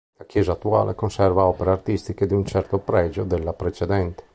La chiesa attuale conserva opere artistiche di un certo pregio della precedente.